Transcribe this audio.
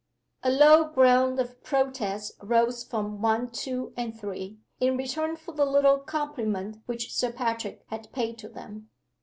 A low groan of protest rose from One, Two, and Three, in return for the little compliment which Sir Patrick had paid to them.